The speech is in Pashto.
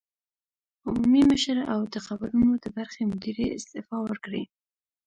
عمومي مشر او د خبرونو د برخې مدیرې استعفی ورکړې